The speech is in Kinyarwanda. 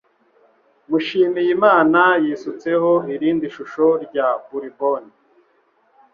Mushimiyimana yisutseho irindi shusho rya bourbon.